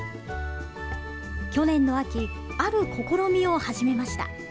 去年の秋、ある試みを始めました。